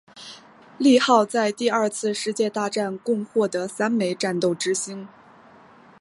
利号在第二次世界大战共获得三枚战斗之星。